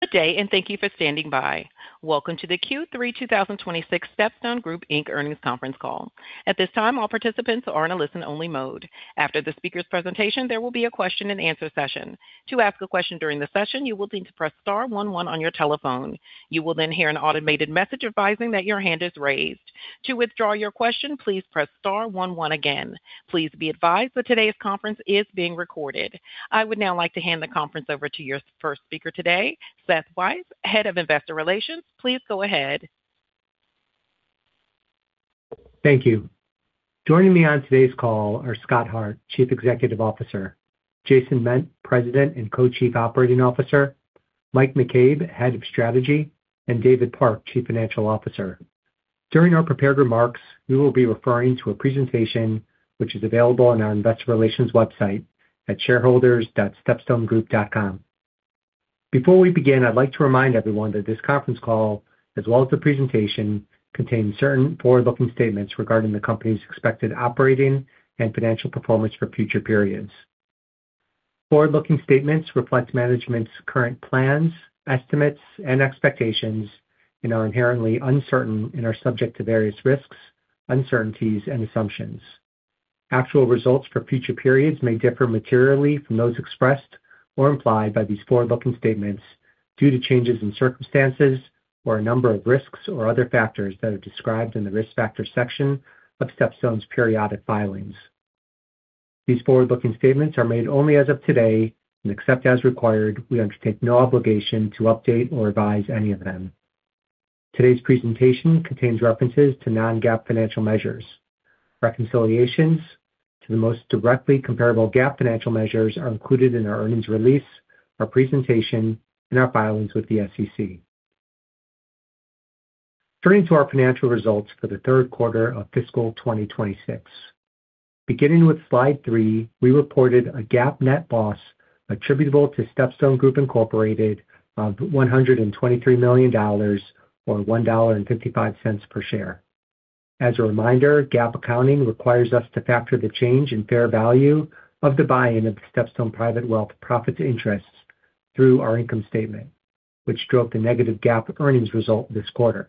Good day and thank you for standing by. Welcome to the Q3 2026 StepStone Group Inc. earnings conference call. At this time, all participants are in a listen-only mode. After the speaker's presentation, there will be a question-and-answer session. To ask a question during the session, you will need to press star one one on your telephone. You will then hear an automated message advising that your hand is raised. To withdraw your question, please press star one one again. Please be advised that today's conference is being recorded. I would now like to hand the conference over to your first speaker today, Seth Weiss, Head of Investor Relations. Please go ahead. Thank you. Joining me on today's call are Scott Hart, Chief Executive Officer, Jason Ment, President and Co-Chief Operating Officer, Mike McCabe, Head of Strategy, and David Park, Chief Financial Officer. During our prepared remarks, we will be referring to a presentation which is available on our Investor Relations website at shareholders.stepstonegroup.com. Before we begin, I'd like to remind everyone that this conference call, as well as the presentation, contains certain forward-looking statements regarding the company's expected operating and financial performance for future periods. Forward-looking statements reflect management's current plans, estimates, and expectations, and are inherently uncertain and are subject to various risks, uncertainties, and assumptions. Actual results for future periods may differ materially from those expressed or implied by these forward-looking statements due to changes in circumstances or a number of risks or other factors that are described in the risk factors section of StepStone's periodic filings. These forward-looking statements are made only as of today, and except as required, we undertake no obligation to update or revise any of them. Today's presentation contains references to non-GAAP financial measures. Reconciliations to the most directly comparable GAAP financial measures are included in our earnings release, our presentation, and our filings with the SEC. Turning to our financial results for the third quarter of fiscal 2026. Beginning with slide three, we reported a GAAP net loss attributable to StepStone Group Incorporated of $123 million or $1.55 per share. As a reminder, GAAP accounting requires us to factor the change in fair value of the buy-in of StepStone Private Wealth profits interests through our income statement, which drove the negative GAAP earnings result this quarter.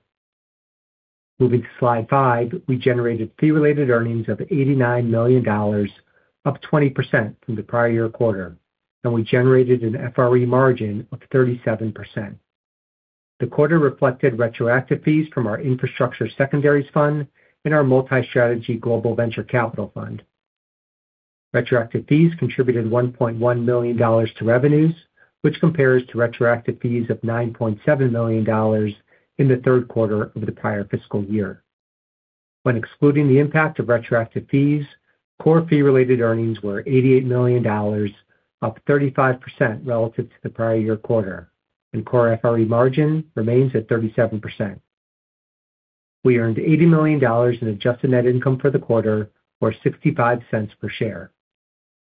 Moving to slide five, we generated fee-related earnings of $89 million, up 20% from the prior year quarter, and we generated an FRE margin of 37%. The quarter reflected retroactive fees from our Infrastructure Secondaries Fund and our Multi-Strategy Global Venture Capital Fund. Retroactive fees contributed $1.1 million to revenues, which compares to retroactive fees of $9.7 million in the third quarter of the prior fiscal year. When excluding the impact of retroactive fees, core fee-related earnings were $88 million, up 35% relative to the prior year quarter, and core FRE margin remains at 37%. We earned $80 million in adjusted net income for the quarter, or $0.65 per share.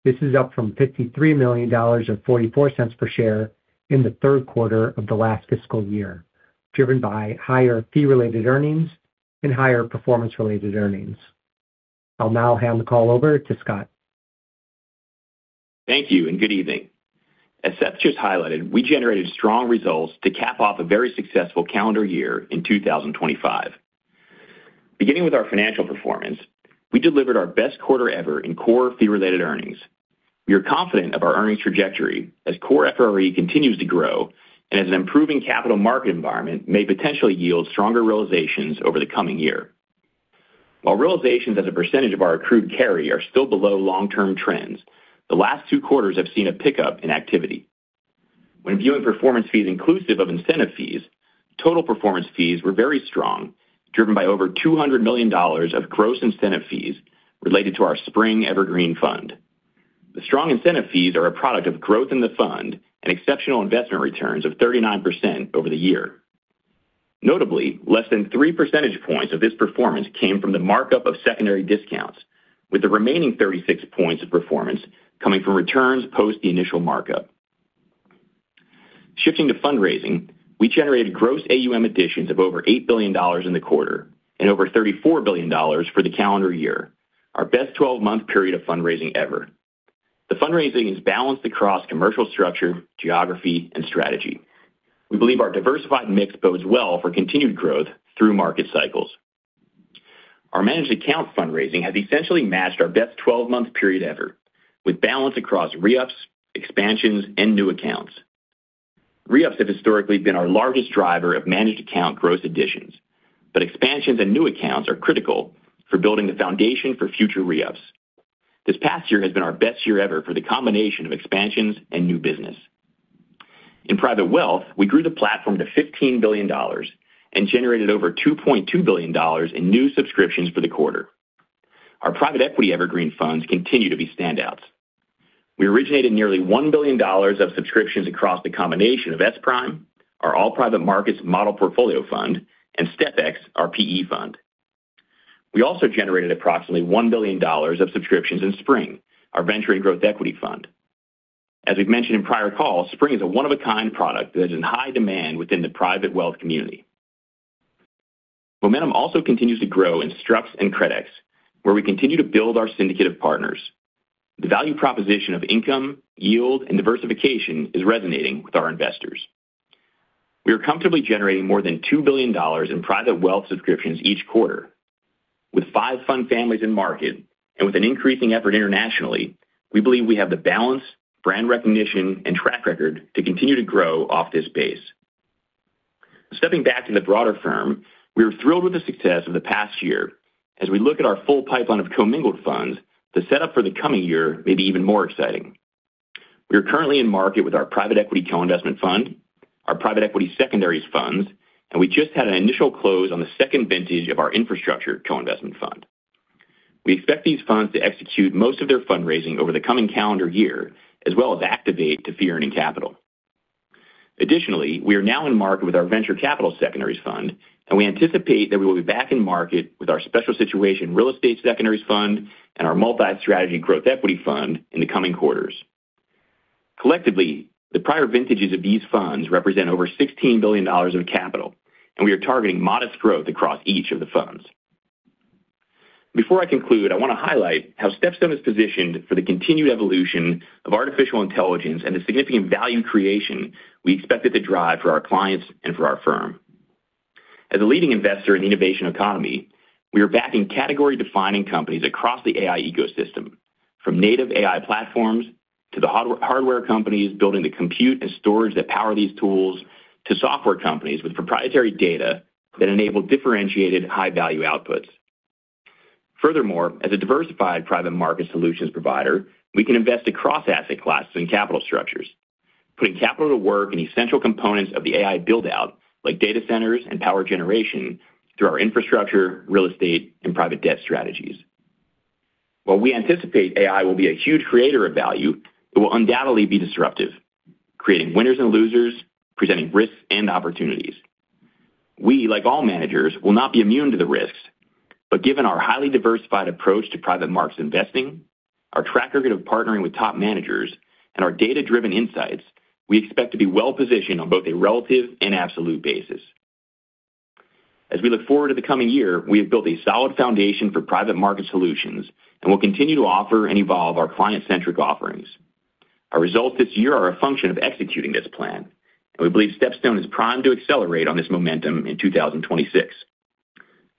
This is up from $53 million or $0.44 per share in the third quarter of the last fiscal year, driven by higher fee-related earnings and higher performance-related earnings. I'll now hand the call over to Scott. Thank you and good evening. As Seth just highlighted, we generated strong results to cap off a very successful calendar year in 2025. Beginning with our financial performance, we delivered our best quarter ever in core fee-related earnings. We are confident of our earnings trajectory as core FRE continues to grow and as an improving capital market environment may potentially yield stronger realizations over the coming year. While realizations as a percentage of our accrued carry are still below long-term trends, the last two quarters have seen a pickup in activity. When viewing performance fees inclusive of incentive fees, total performance fees were very strong, driven by over $200 million of gross incentive fees related to our Spring Evergreen Fund. The strong incentive fees are a product of growth in the fund and exceptional investment returns of 39% over the year. Notably, less than 3 percentage points of this performance came from the markup of secondary discounts, with the remaining 36 points of performance coming from returns post the initial markup. Shifting to fundraising, we generated gross AUM additions of over $8 billion in the quarter and over $34 billion for the calendar year, our best 12-month period of fundraising ever. The fundraising is balanced across commercial structure, geography, and strategy. We believe our diversified mix bodes well for continued growth through market cycles. Our managed account fundraising has essentially matched our best 12-month period ever, with balance across reups, expansions, and new accounts. Reups have historically been our largest driver of managed account gross additions, but expansions and new accounts are critical for building the foundation for future reups. This past year has been our best year ever for the combination of expansions and new business. In private wealth, we grew the platform to $15 billion and generated over $2.2 billion in new subscriptions for the quarter. Our private equity Evergreen Funds continue to be standouts. We originated nearly $1 billion of subscriptions across the combination of S Prime, our All Private Markets Model Portfolio Fund, and StepX, our PE fund. We also generated approximately $1 billion of subscriptions in Spring, our Venture and Growth Equity Fund. As we've mentioned in prior calls, Spring is a one-of-a-kind product that is in high demand within the private wealth community. Momentum also continues to grow in Strucks and CredEx, where we continue to build our syndicate of partners. The value proposition of income, yield, and diversification is resonating with our investors. We are comfortably generating more than $2 billion in private wealth subscriptions each quarter. With five fund families in market and with an increasing effort internationally, we believe we have the balance, brand recognition, and track record to continue to grow off this base. Stepping back to the broader firm, we are thrilled with the success of the past year. As we look at our full pipeline of commingled funds, the setup for the coming year may be even more exciting. We are currently in market with our private equity co-investment fund, our private equity secondaries funds, and we just had an initial close on the second vintage of our infrastructure co-investment fund. We expect these funds to execute most of their fundraising over the coming calendar year as well as activate to fee-earning capital. Additionally, we are now in market with our Venture Capital Secondaries Fund, and we anticipate that we will be back in market with our Special Situation Real Estate Secondaries Fund and our Multi-Strategy Growth Equity Fund in the coming quarters. Collectively, the prior vintages of these funds represent over $16 billion of capital, and we are targeting modest growth across each of the funds. Before I conclude, I want to highlight how StepStone is positioned for the continued evolution of artificial intelligence and the significant value creation we expect it to drive for our clients and for our firm. As a leading investor in the innovation economy, we are backing category-defining companies across the AI ecosystem, from native AI platforms to the hardware companies building the compute and storage that power these tools to software companies with proprietary data that enable differentiated high-value outputs. Furthermore, as a diversified private market solutions provider, we can invest across asset classes and capital structures, putting capital to work in essential components of the AI buildout like data centers and power generation through our infrastructure, real estate, and private debt strategies. While we anticipate AI will be a huge creator of value, it will undoubtedly be disruptive, creating winners and losers, presenting risks and opportunities. We, like all managers, will not be immune to the risks, but given our highly diversified approach to private markets investing, our track record of partnering with top managers, and our data-driven insights, we expect to be well-positioned on both a relative and absolute basis. As we look forward to the coming year, we have built a solid foundation for private market solutions and will continue to offer and evolve our client-centric offerings. Our results this year are a function of executing this plan, and we believe StepStone is primed to accelerate on this momentum in 2026.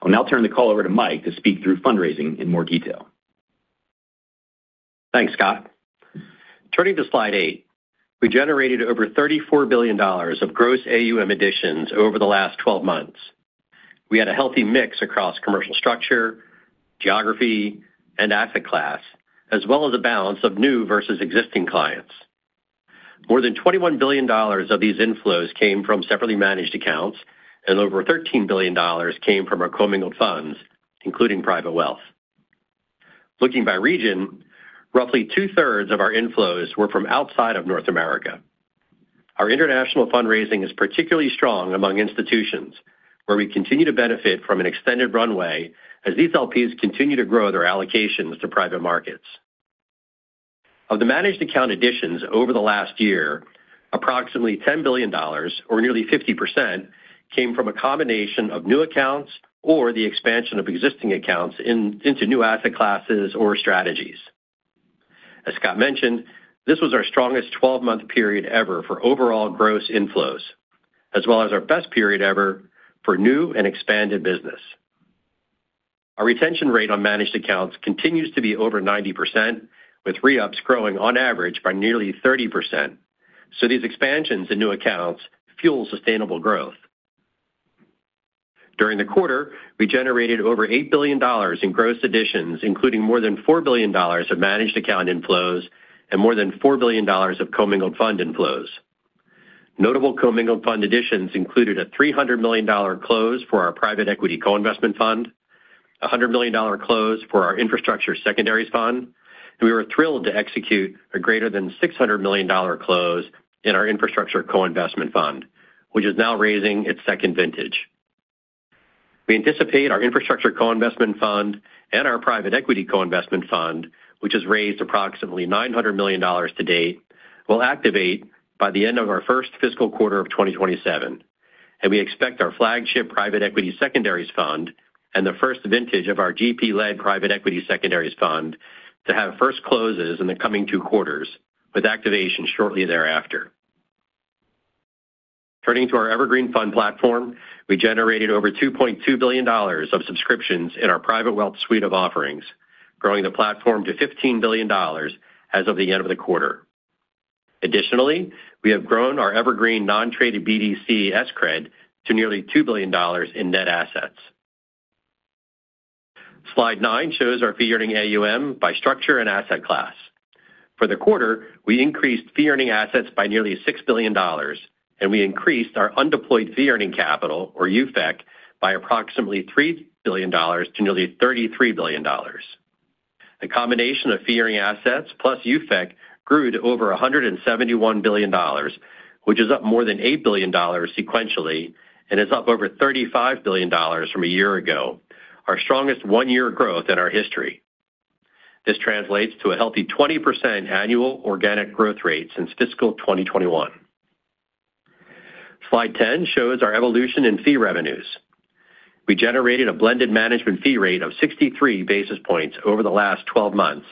I'll now turn the call over to Mike to speak through fundraising in more detail. Thanks, Scott. Turning to slide eight, we generated over $34 billion of gross AUM additions over the last 12 months. We had a healthy mix across commercial structure, geography, and asset class, as well as a balance of new versus existing clients. More than $21 billion of these inflows came from separately managed accounts, and over $13 billion came from our commingled funds, including private wealth. Looking by region, roughly two-thirds of our inflows were from outside of North America. Our international fundraising is particularly strong among institutions, where we continue to benefit from an extended runway as these LPs continue to grow their allocations to private markets. Of the managed account additions over the last year, approximately $10 billion, or nearly 50%, came from a combination of new accounts or the expansion of existing accounts into new asset classes or strategies. As Scott mentioned, this was our strongest 12-month period ever for overall gross inflows, as well as our best period ever for new and expanded business. Our retention rate on managed accounts continues to be over 90%, with reups growing on average by nearly 30%. So these expansions and new accounts fuel sustainable growth. During the quarter, we generated over $8 billion in gross additions, including more than $4 billion of managed account inflows and more than $4 billion of commingled fund inflows. Notable commingled fund additions included a $300 million close for our Private Equity Co-Investment Fund, a $100 million close for our Infrastructure Secondaries Fund, and we were thrilled to execute a greater than $600 million close in our Infrastructure Co-Investment Fund, which is now raising its second vintage. We anticipate our Infrastructure Co-Investment Fund and our Private Equity Co-Investment Fund, which has raised approximately $900 million to date, will activate by the end of our first fiscal quarter of 2027. We expect our flagship private equity secondaries fund and the first vintage of our GP-led private equity secondaries fund to have first closes in the coming two quarters, with activation shortly thereafter. Turning to our Evergreen Fund platform, we generated over $2.2 billion of subscriptions in our private wealth suite of offerings, growing the platform to $15 billion as of the end of the quarter. Additionally, we have grown our Evergreen non-traded BDC S Cred to nearly $2 billion in net assets. Slide nine shows our fee-earning AUM by structure and asset class. For the quarter, we increased fee-earning assets by nearly $6 billion, and we increased our undeployed fee-earning capital, or UFEC, by approximately $3 billion to nearly $33 billion. The combination of fee-earning assets plus UFEC grew to over $171 billion, which is up more than $8 billion sequentially and is up over $35 billion from a year ago, our strongest one-year growth in our history. This translates to a healthy 20% annual organic growth rate since fiscal 2021. Slide 10 shows our evolution in fee revenues. We generated a blended management fee rate of 63 basis points over the last 12 months,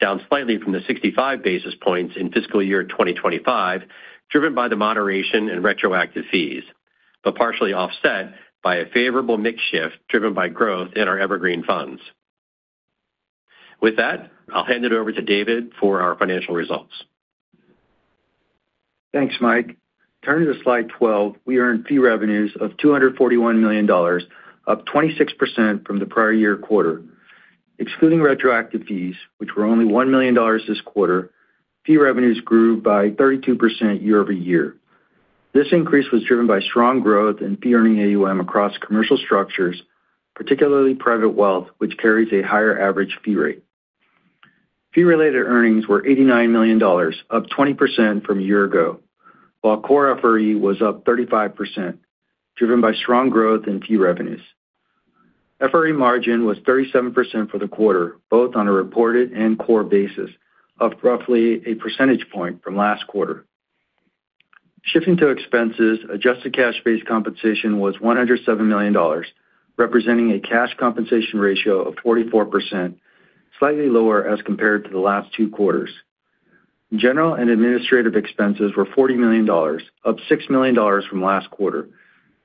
down slightly from the 65 basis points in fiscal year 2025, driven by the moderation and retroactive fees, but partially offset by a favorable mix shift driven by growth in our Evergreen Funds. With that, I'll hand it over to David for our financial results. Thanks, Mike. Turning to slide 12, we earned fee revenues of $241 million, up 26% from the prior year quarter. Excluding retroactive fees, which were only $1 million this quarter, fee revenues grew by 32% year-over-year. This increase was driven by strong growth in fee-earning AUM across commercial structures, particularly private wealth, which carries a higher average fee rate. Fee-related earnings were $89 million, up 20% from a year ago, while core FRE was up 35%, driven by strong growth in fee revenues. FRE margin was 37% for the quarter, both on a reported and core basis, up roughly a percentage point from last quarter. Shifting to expenses, adjusted cash-based compensation was $107 million, representing a cash compensation ratio of 44%, slightly lower as compared to the last two quarters. General and administrative expenses were $40 million, up $6 million from last quarter.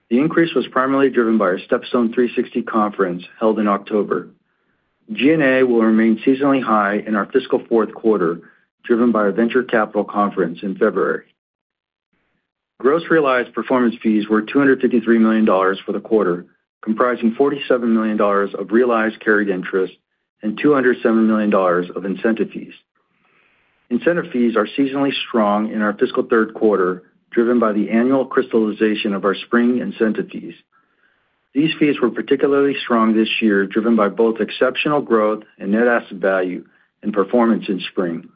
The increase was primarily driven by our StepStone 360 conference held in October. G&A will remain seasonally high in our fiscal fourth quarter, driven by our venture capital conference in February. Gross realized performance fees were $253 million for the quarter, comprising $47 million of realized carried interest and $207 million of incentive fees. Incentive fees are seasonally strong in our fiscal third quarter, driven by the annual crystallization of our spring incentive fees. These fees were particularly strong this year, driven by both exceptional growth and net asset value and performance in spring.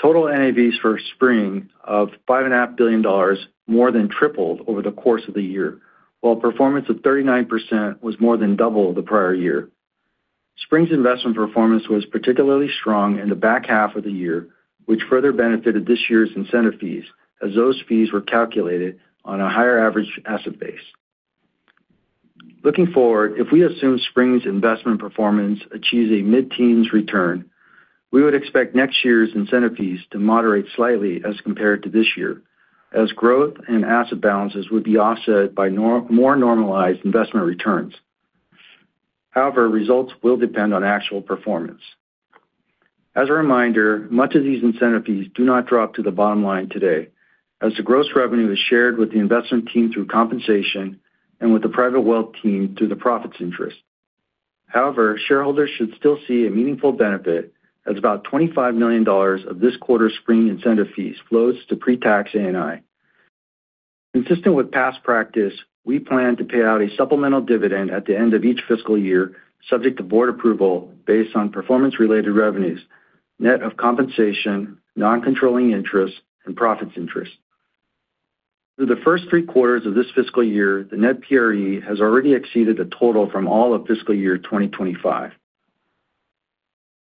Total NAVs for spring of $5.5 billion more than tripled over the course of the year, while performance of 39% was more than double the prior year. Spring's investment performance was particularly strong in the back half of the year, which further benefited this year's incentive fees as those fees were calculated on a higher average asset base. Looking forward, if we assume Spring's investment performance achieves a mid-teens return, we would expect next year's incentive fees to moderate slightly as compared to this year, as growth and asset balances would be offset by more normalized investment returns. However, results will depend on actual performance. As a reminder, much of these incentive fees do not drop to the bottom line today, as the gross revenue is shared with the investment team through compensation and with the private wealth team through the profits interest. However, shareholders should still see a meaningful benefit as about $25 million of this quarter's Spring incentive fees flows to pre-tax ANI. Consistent with past practice, we plan to pay out a supplemental dividend at the end of each fiscal year, subject to board approval based on performance-related revenues, net of compensation, non-controlling interest, and profits interest. Through the first three quarters of this fiscal year, the net PRE has already exceeded the total from all of fiscal year 2025.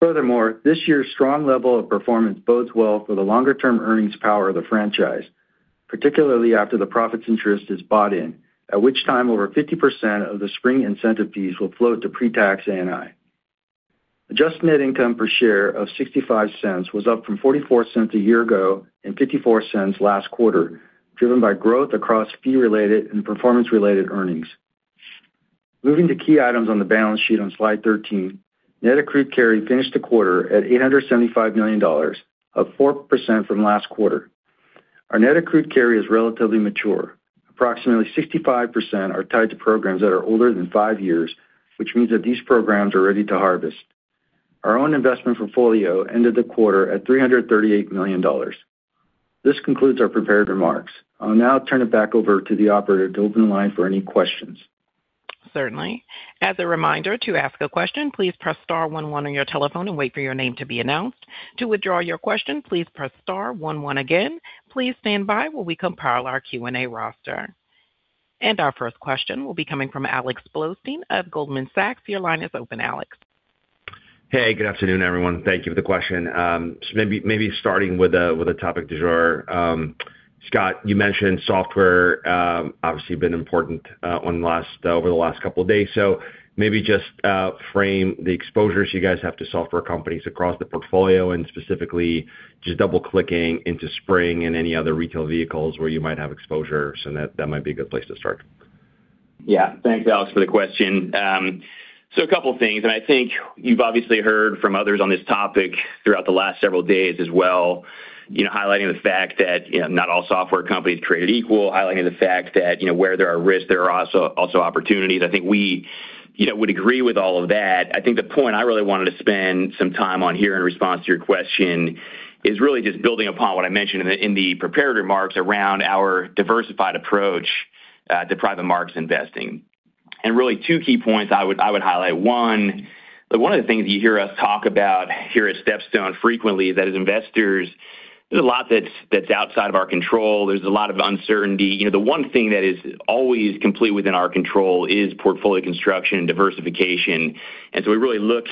Furthermore, this year's strong level of performance bodes well for the longer-term earnings power of the franchise, particularly after the profits interest is bought in, at which time over 50% of the spring incentive fees will float to pre-tax ANI. Adjusted net income per share of $0.65 was up from $0.44 a year ago and $0.54 last quarter, driven by growth across fee-related and performance-related earnings. Moving to key items on the balance sheet on slide 13, net accrued carry finished the quarter at $875 million, up 4% from last quarter. Our net accrued carry is relatively mature. Approximately 65% are tied to programs that are older than five years, which means that these programs are ready to harvest. Our own investment portfolio ended the quarter at $338 million. This concludes our prepared remarks. I'll now turn it back over to the operator to open the line for any questions. Certainly. As a reminder, to ask a question, please press star one one on your telephone and wait for your name to be announced. To withdraw your question, please press star one one again. Please stand by while we compile our Q&A roster. Our first question will be coming from Alex Blostein of Goldman Sachs. Your line is open, Alex. Hey, good afternoon, everyone. Thank you for the question. Maybe starting with a topic du jour. Scott, you mentioned software obviously been important over the last couple of days. So maybe just frame the exposures you guys have to software companies across the portfolio and specifically just double-clicking into Spring and any other retail vehicles where you might have exposure. So that might be a good place to start. Yeah. Thanks, Alex, for the question. So a couple of things. And I think you've obviously heard from others on this topic throughout the last several days as well, highlighting the fact that not all software companies created equal, highlighting the fact that where there are risks, there are also opportunities. I think we would agree with all of that. I think the point I really wanted to spend some time on here in response to your question is really just building upon what I mentioned in the prepared remarks around our diversified approach to private markets investing. And really, two key points I would highlight. One, one of the things you hear us talk about here at StepStone frequently is that as investors, there's a lot that's outside of our control. There's a lot of uncertainty. The one thing that is always completely within our control is portfolio construction and diversification. And so we really look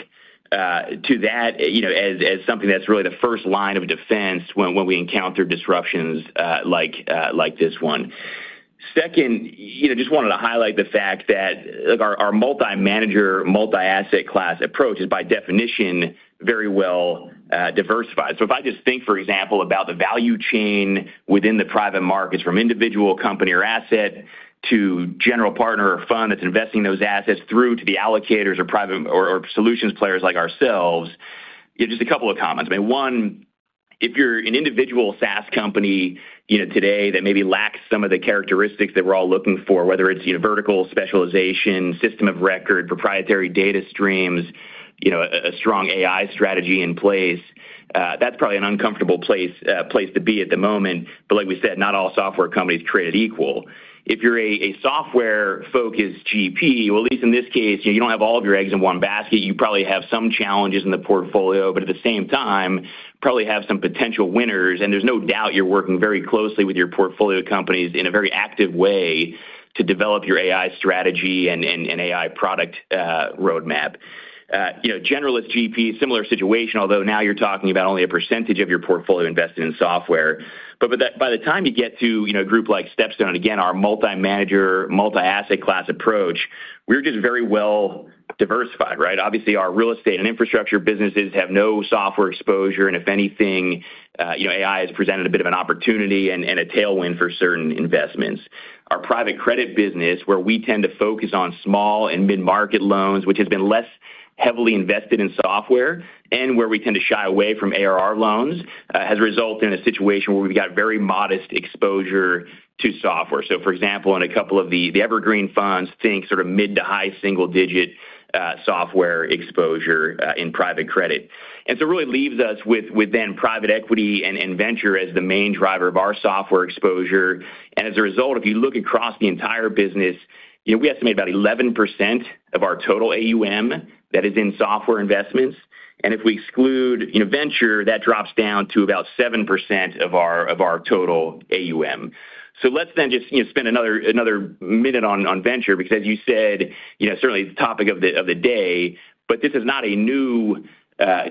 to that as something that's really the first line of defense when we encounter disruptions like this one. Second, just wanted to highlight the fact that our multi-manager, multi-asset class approach is by definition very well diversified. So if I just think, for example, about the value chain within the private markets from individual company or asset to general partner or fund that's investing those assets through to the allocators or solutions players like ourselves, just a couple of comments. I mean, one, if you're an individual SaaS company today that maybe lacks some of the characteristics that we're all looking for, whether it's vertical specialization, system of record, proprietary data streams, a strong AI strategy in place, that's probably an uncomfortable place to be at the moment. But like we said, not all software companies created equal. If you're a software-focused GP, well, at least in this case, you don't have all of your eggs in one basket. You probably have some challenges in the portfolio, but at the same time, probably have some potential winners. And there's no doubt you're working very closely with your portfolio companies in a very active way to develop your AI strategy and AI product roadmap. Generalist GP, similar situation, although now you're talking about only a percentage of your portfolio invested in software. But by the time you get to a group like StepStone and again, our multi-manager, multi-asset class approach, we're just very well diversified, right? Obviously, our real estate and infrastructure businesses have no software exposure. And if anything, AI has presented a bit of an opportunity and a tailwind for certain investments. Our private credit business, where we tend to focus on small and mid-market loans, which has been less heavily invested in software and where we tend to shy away from ARR loans, has resulted in a situation where we've got very modest exposure to software. So for example, in a couple of the Evergreen Funds, think sort of mid- to high single-digit software exposure in private credit. And so it really leaves us with then private equity and venture as the main driver of our software exposure. And as a result, if you look across the entire business, we estimate about 11% of our total AUM that is in software investments. And if we exclude venture, that drops down to about 7% of our total AUM. So let's then just spend another minute on venture because, as you said, certainly the topic of the day, but this is not a new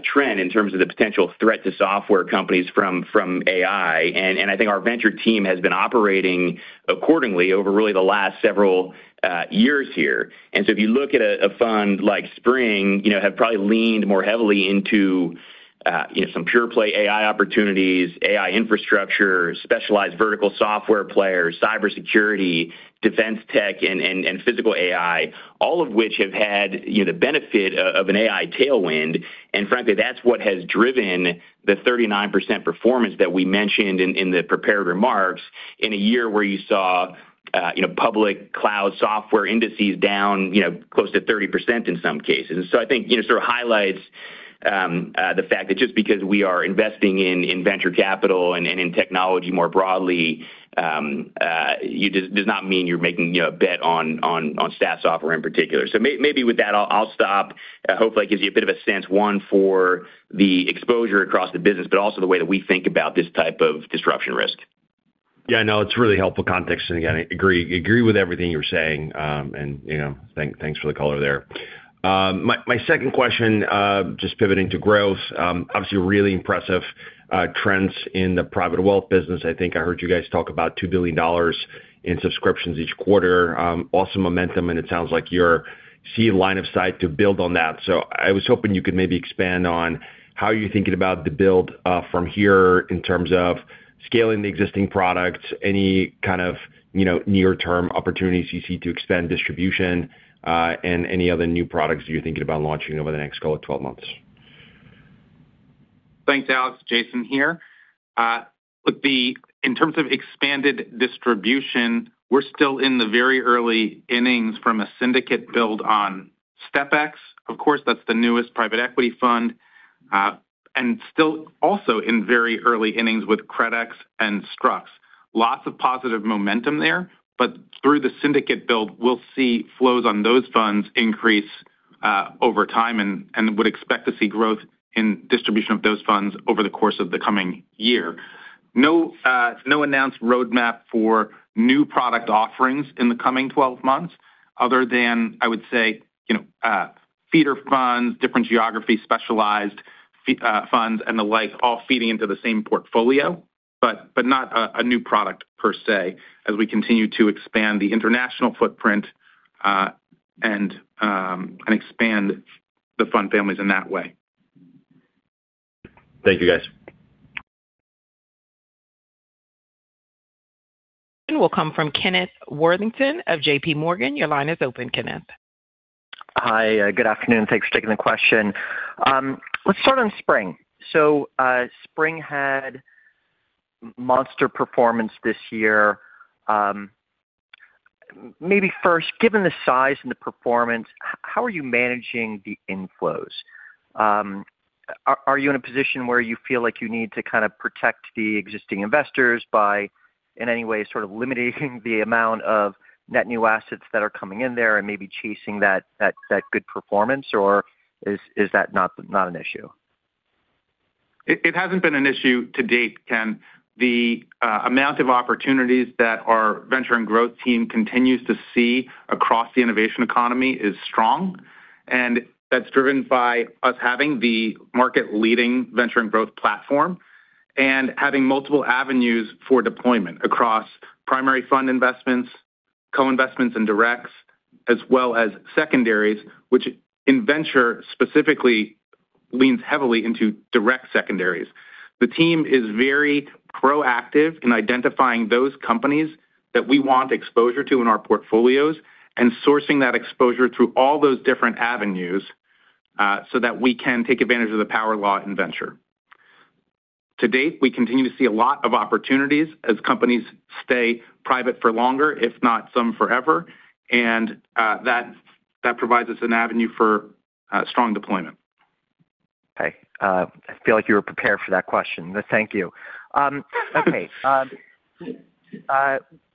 trend in terms of the potential threat to software companies from AI. And I think our venture team has been operating accordingly over really the last several years here. And so if you look at a fund like Spring, have probably leaned more heavily into some pure-play AI opportunities, AI infrastructure, specialized vertical software players, cybersecurity, defense tech, and physical AI, all of which have had the benefit of an AI tailwind. And frankly, that's what has driven the 39% performance that we mentioned in the prepared remarks in a year where you saw public cloud software indices down close to 30% in some cases. And so I think it sort of highlights the fact that just because we are investing in venture capital and in technology more broadly does not mean you're making a bet on SaaS software in particular. So maybe with that, I'll stop. Hopefully, I give you a bit of a sense, one, for the exposure across the business, but also the way that we think about this type of disruption risk. Yeah, no, it's really helpful context. And again, I agree with everything you were saying. And thanks for the color there. My second question, just pivoting to growth, obviously really impressive trends in the private wealth business. I think I heard you guys talk about $2 billion in subscriptions each quarter, awesome momentum. And it sounds like you're seeing line of sight to build on that. So I was hoping you could maybe expand on how you're thinking about the build from here in terms of scaling the existing products, any kind of near-term opportunities you see to expand distribution, and any other new products that you're thinking about launching over the next go of 12 months. Thanks, Alex. Jason here. Look, in terms of expanded distribution, we're still in the very early innings from a syndicate build on StepX. Of course, that's the newest private equity fund and still also in very early innings with CredEx and Strucks. Lots of positive momentum there. But through the syndicate build, we'll see flows on those funds increase over time and would expect to see growth in distribution of those funds over the course of the coming year. No announced roadmap for new product offerings in the coming 12 months other than, I would say, feeder funds, different geography, specialized funds, and the like, all feeding into the same portfolio, but not a new product per se as we continue to expand the international footprint and expand the fund families in that way. Thank you, guys. We'll come from Kenneth Worthington of JPMorgan. Your line is open, Kenneth. Hi. Good afternoon. Thanks for taking the question. Let's start on Spring. Spring had monster performance this year. Maybe first, given the size and the performance, how are you managing the inflows? Are you in a position where you feel like you need to kind of protect the existing investors by in any way sort of limiting the amount of net new assets that are coming in there and maybe chasing that good performance? Or is that not an issue? It hasn't been an issue to date, Ken. The amount of opportunities that our venture and growth team continues to see across the innovation economy is strong. And that's driven by us having the market-leading venture and growth platform and having multiple avenues for deployment across primary fund investments, co-investments, and directs, as well as secondaries, which in venture specifically leans heavily into direct secondaries. The team is very proactive in identifying those companies that we want exposure to in our portfolios and sourcing that exposure through all those different avenues so that we can take advantage of the power law in venture. To date, we continue to see a lot of opportunities as companies stay private for longer, if not some forever. And that provides us an avenue for strong deployment. Okay. I feel like you were prepared for that question. Thank you. Okay.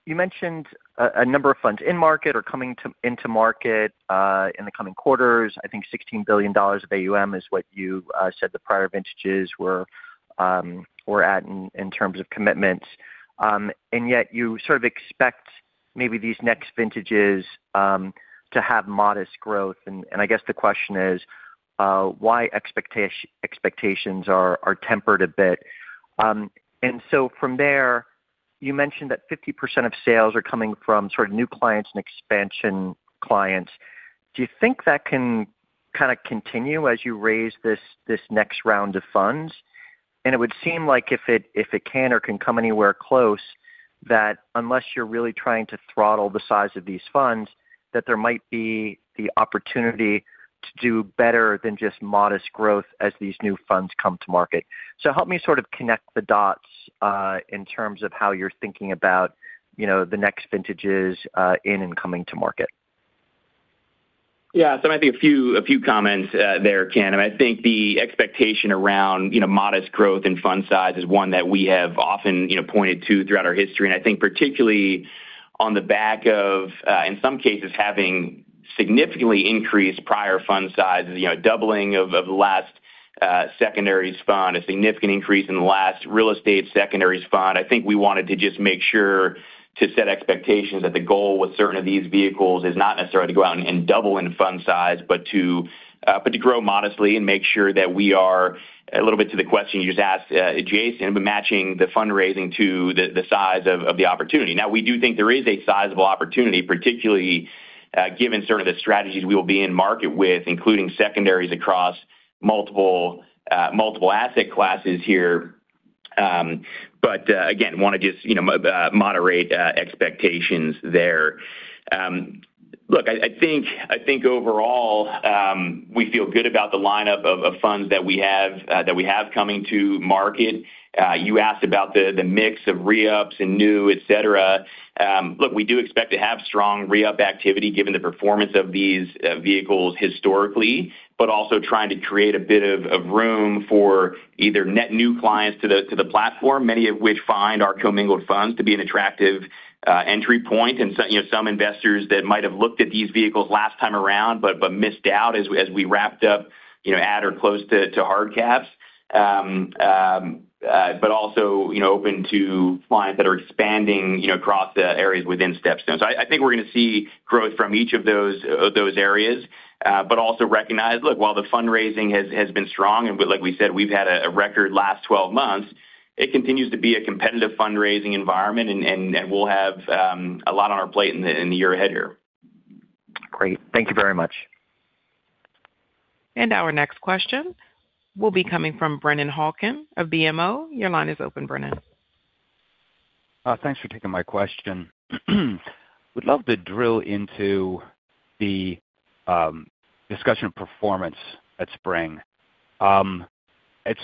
You mentioned a number of funds in market or coming into market in the coming quarters. I think $16 billion of AUM is what you said the prior vintages were at in terms of commitments. And yet, you sort of expect maybe these next vintages to have modest growth. And I guess the question is why expectations are tempered a bit. And so from there, you mentioned that 50% of sales are coming from sort of new clients and expansion clients. Do you think that can kind of continue as you raise this next round of funds? It would seem like if it can come anywhere close, that unless you're really trying to throttle the size of these funds, that there might be the opportunity to do better than just modest growth as these new funds come to market. So help me sort of connect the dots in terms of how you're thinking about the next vintages in and coming to market. Yeah. So I think a few comments there, Ken. And I think the expectation around modest growth in fund size is one that we have often pointed to throughout our history. And I think particularly on the back of, in some cases, having significantly increased prior fund sizes, a doubling of the last secondaries fund, a significant increase in the last real estate secondaries fund, I think we wanted to just make sure to set expectations that the goal with certain of these vehicles is not necessarily to go out and double in fund size, but to grow modestly and make sure that we are a little bit to the question you just asked, Jason, but matching the fundraising to the size of the opportunity. Now, we do think there is a sizable opportunity, particularly given certain of the strategies we will be in market with, including secondaries across multiple asset classes here. But again, want to just moderate expectations there. Look, I think overall, we feel good about the lineup of funds that we have coming to market. You asked about the mix of reups and new, etc. Look, we do expect to have strong reup activity given the performance of these vehicles historically, but also trying to create a bit of room for either net new clients to the platform, many of which find our commingled funds to be an attractive entry point. And some investors that might have looked at these vehicles last time around but missed out as we wrapped up at or close to hard caps, but also open to clients that are expanding across the areas within StepStone. I think we're going to see growth from each of those areas, but also recognize, look, while the fundraising has been strong and like we said, we've had a record last 12 months, it continues to be a competitive fundraising environment. We'll have a lot on our plate in the year ahead here. Great. Thank you very much. Our next question will be coming from Brennan Hawken of BMO. Your line is open, Brennan. Thanks for taking my question. Would love to drill into the discussion of performance at Spring. It's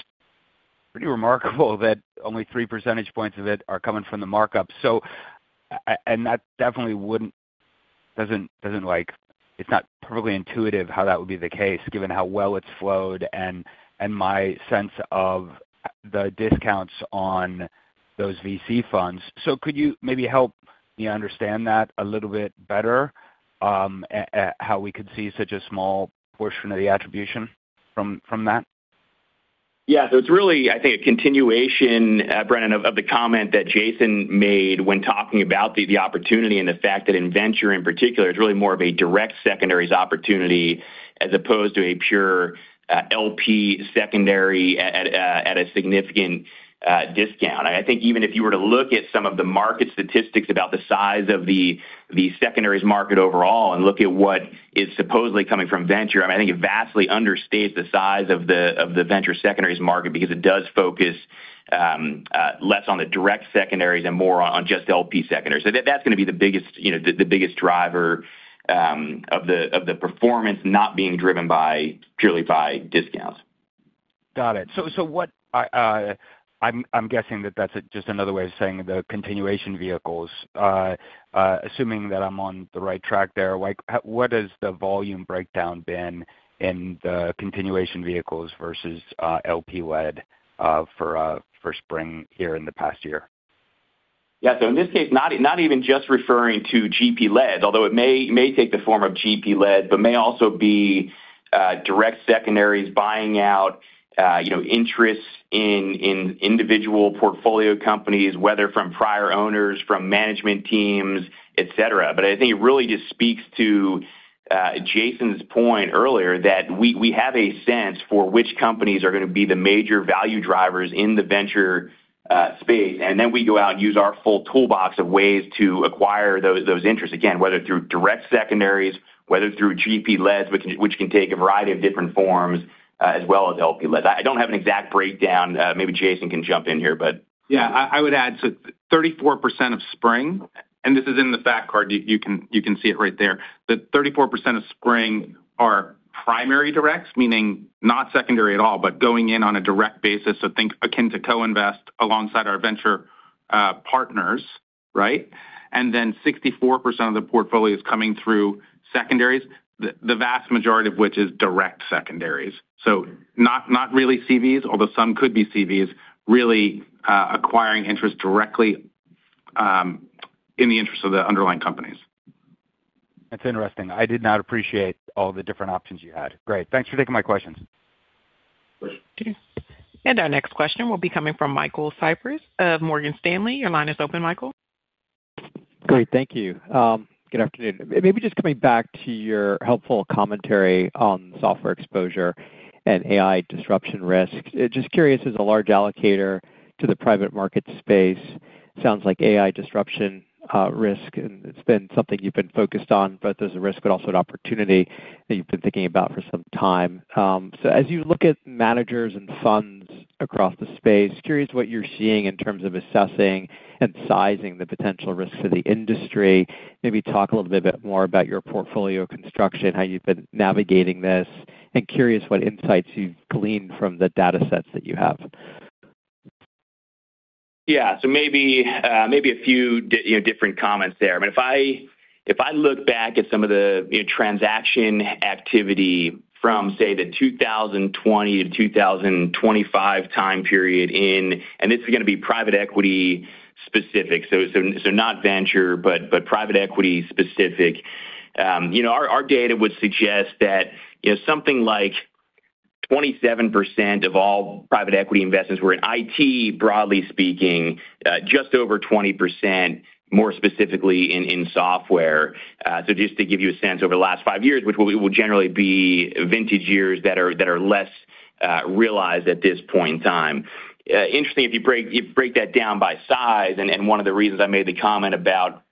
pretty remarkable that only 3 percentage points of it are coming from the markup. And that definitely doesn't. It's not perfectly intuitive how that would be the case given how well it's flowed and my sense of the discounts on those VC funds. So could you maybe help me understand that a little bit better, how we could see such a small portion of the attribution from that? Yeah. So it's really, I think, a continuation, Brennan, of the comment that Jason made when talking about the opportunity and the fact that in venture in particular, it's really more of a direct secondaries opportunity as opposed to a pure LP secondary at a significant discount. I think even if you were to look at some of the market statistics about the size of the secondaries market overall and look at what is supposedly coming from venture, I mean, I think it vastly understates the size of the venture secondaries market because it does focus less on the direct secondaries and more on just LP secondaries. So that's going to be the biggest driver of the performance not being driven purely by discounts. Got it. So what I'm guessing that that's just another way of saying the continuation vehicles. Assuming that I'm on the right track there, what has the volume breakdown been in the continuation vehicles versus LP-led for Spring here in the past year? Yeah. So in this case, not even just referring to GP-led, although it may take the form of GP-led, but may also be direct secondaries buying out interests in individual portfolio companies, whether from prior owners, from management teams, etc. But I think it really just speaks to Jason's point earlier that we have a sense for which companies are going to be the major value drivers in the venture space. And then we go out and use our full toolbox of ways to acquire those interests, again, whether through direct secondaries, whether through GP-led, which can take a variety of different forms, as well as LP-led. I don't have an exact breakdown. Maybe Jason can jump in here, but. Yeah. I would add so 34% of Spring and this is in the fact card. You can see it right there. The 34% of Spring are primary directs, meaning not secondary at all, but going in on a direct basis. So think akin to co-invest alongside our venture partners, right? And then 64% of the portfolio is coming through secondaries, the vast majority of which is direct secondaries. So not really CVs, although some could be CVs, really acquiring interests directly in the interests of the underlying companies. That's interesting. I did not appreciate all the different options you had. Great. Thanks for taking my questions. Our next question will be coming from Michael Cyprys of Morgan Stanley. Your line is open, Michael. Great. Thank you. Good afternoon. Maybe just coming back to your helpful commentary on software exposure and AI disruption risk. Just curious, as a large allocator to the private market space, sounds like AI disruption risk, and it's been something you've been focused on, both as a risk but also an opportunity that you've been thinking about for some time. So as you look at managers and funds across the space, curious what you're seeing in terms of assessing and sizing the potential risks to the industry. Maybe talk a little bit more about your portfolio construction, how you've been navigating this, and curious what insights you've gleaned from the datasets that you have. Yeah. So maybe a few different comments there. I mean, if I look back at some of the transaction activity from, say, the 2020 to 2025 time period in and this is going to be private equity specific, so not venture, but private equity specific. Our data would suggest that something like 27% of all private equity investments were in IT, broadly speaking, just over 20% more specifically in software. So just to give you a sense, over the last five years, which will generally be vintage years that are less realized at this point in time. Interesting, if you break that down by size and one of the reasons I made the comment about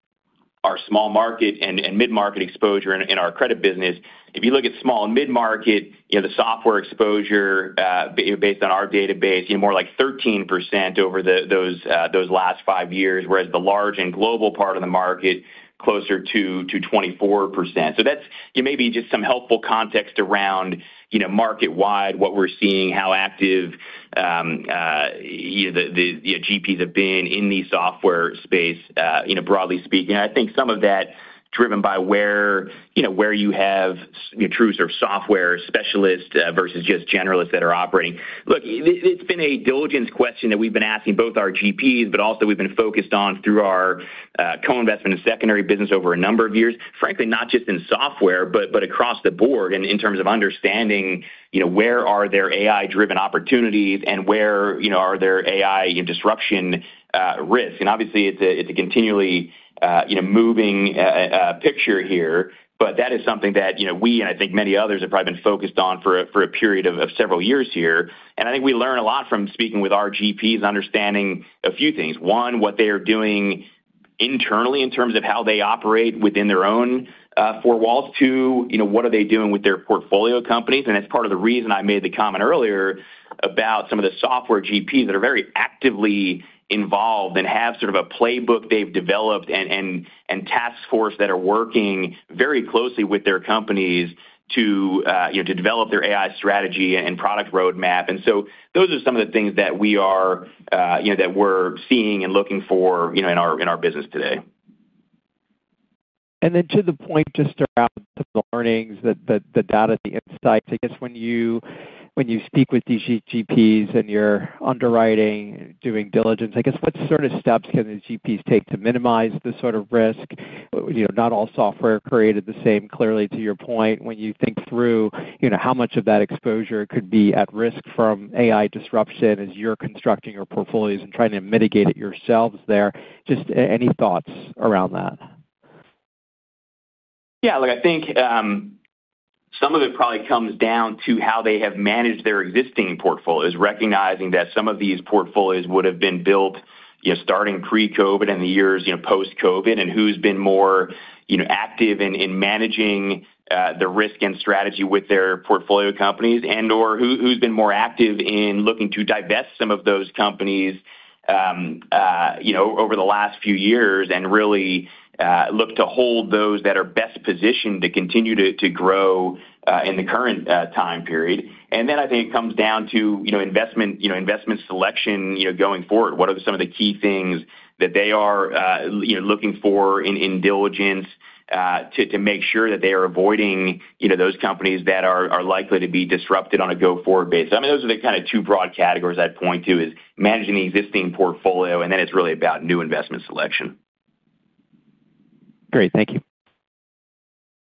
our small market and mid-market exposure in our credit business, if you look at small and mid-market, the software exposure based on our database, more like 13% over those last five years, whereas the large and global part of the market, closer to 24%. So that's maybe just some helpful context around market-wide, what we're seeing, how active the GPs have been in the software space, broadly speaking. And I think some of that driven by where you have true sort of software specialists versus just generalists that are operating. Look, it's been a diligence question that we've been asking both our GPs, but also we've been focused on through our co-investment and secondary business over a number of years, frankly, not just in software, but across the board in terms of understanding where are their AI-driven opportunities and where are their AI disruption risks. And obviously, it's a continually moving picture here, but that is something that we and I think many others have probably been focused on for a period of several years here. And I think we learn a lot from speaking with our GPs and understanding a few things. One, what they are doing internally in terms of how they operate within their own four walls. Two, what are they doing with their portfolio companies? And that's part of the reason I made the comment earlier about some of the software GPs that are very actively involved and have sort of a playbook they've developed and task force that are working very closely with their companies to develop their AI strategy and product roadmap. And so those are some of the things that we're seeing and looking for in our business today. And then to the point just around some of the learnings, the data, the insights, I guess when you speak with these GPs and you're underwriting and doing diligence, I guess what sort of steps can the GPs take to minimize this sort of risk? Not all software created the same, clearly, to your point. When you think through how much of that exposure could be at risk from AI disruption as you're constructing your portfolios and trying to mitigate it yourselves there, just any thoughts around that? Yeah. Look, I think some of it probably comes down to how they have managed their existing portfolios, recognizing that some of these portfolios would have been built starting pre-COVID and the years post-COVID and who's been more active in managing the risk and strategy with their portfolio companies and/or who's been more active in looking to divest some of those companies over the last few years and really look to hold those that are best positioned to continue to grow in the current time period. And then I think it comes down to investment selection going forward. What are some of the key things that they are looking for in diligence to make sure that they are avoiding those companies that are likely to be disrupted on a go-forward basis? I mean, those are the kind of two broad categories I'd point to is managing the existing portfolio, and then it's really about new investment selection. Great. Thank you.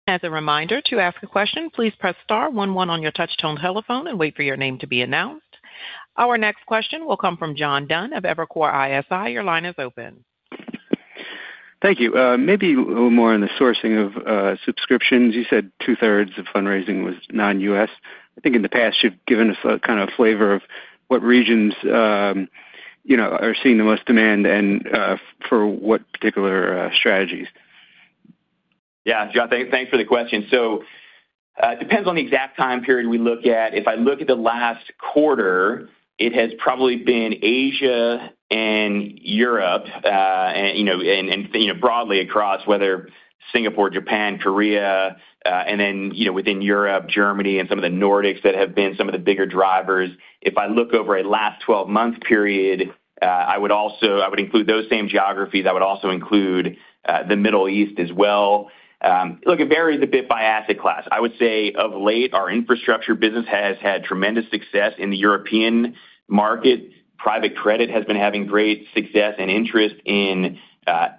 As a reminder, to ask a question, please press star 11 on your touch-tone telephone and wait for your name to be announced. Our next question will come from John Dunn of Evercore ISI. Your line is open. Thank you. Maybe a little more on the sourcing of subscriptions. You said two-thirds of fundraising was non-U.S. I think in the past, you've given us kind of a flavor of what regions are seeing the most demand and for what particular strategies. Yeah. John, thanks for the question. So it depends on the exact time period we look at. If I look at the last quarter, it has probably been Asia and Europe and broadly across, whether Singapore, Japan, Korea, and then within Europe, Germany, and some of the Nordics that have been some of the bigger drivers. If I look over a last 12-month period, I would include those same geographies. I would also include the Middle East as well. Look, it varies a bit by asset class. I would say of late, our infrastructure business has had tremendous success in the European market. Private credit has been having great success and interest in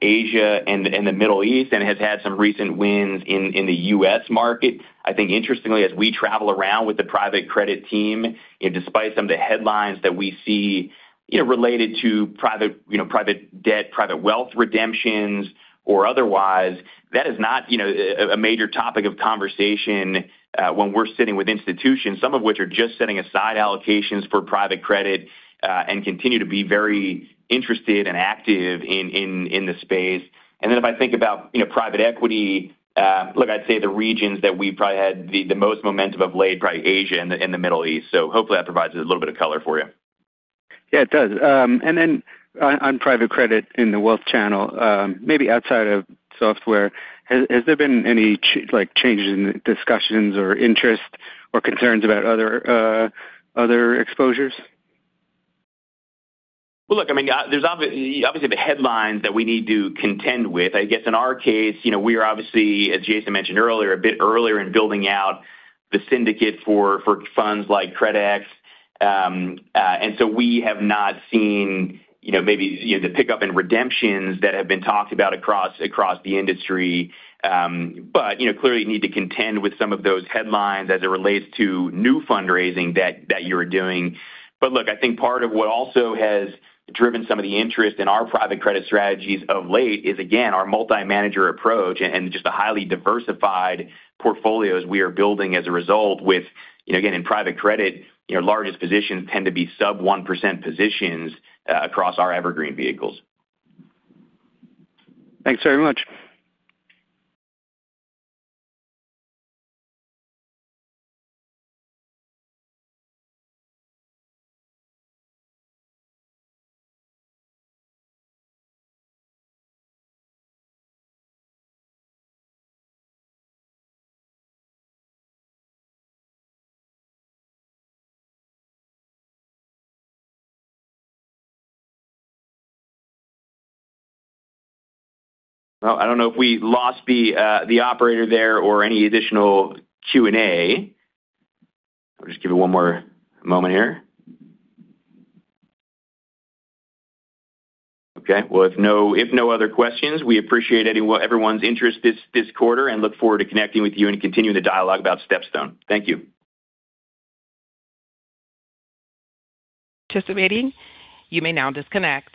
Asia and the Middle East and has had some recent wins in the US market. I think, interestingly, as we travel around with the private credit team, despite some of the headlines that we see related to private debt, private wealth redemptions, or otherwise, that is not a major topic of conversation when we're sitting with institutions, some of which are just setting aside allocations for private credit and continue to be very interested and active in the space. And then if I think about private equity, look, I'd say the regions that we've probably had the most momentum of late, probably Asia and the Middle East. So hopefully, that provides a little bit of color for you. Yeah, it does. And then on private credit in the Wealth Channel, maybe outside of software, has there been any changes in discussions or interest or concerns about other exposures? Well, look, I mean, there's obviously the headlines that we need to contend with. I guess in our case, we are obviously, as Jason mentioned earlier, a bit earlier in building out the syndicate for funds like CredEx. And so we have not seen maybe the pickup in redemptions that have been talked about across the industry. But clearly, you need to contend with some of those headlines as it relates to new fundraising that you're doing. But look, I think part of what also has driven some of the interest in our private credit strategies of late is, again, our multi-manager approach and just the highly diversified portfolios we are building as a result with, again, in private credit, largest positions tend to be sub-1% positions across our evergreen vehicles. Thanks very much. Well, I don't know if we lost the operator there or any additional Q&A. I'll just give you one more moment here. Okay. Well, if no other questions, we appreciate everyone's interest this quarter and look forward to connecting with you and continuing the dialogue about StepStone. Thank you. Anticipating. You may now disconnect.